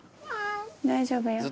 大丈夫よ。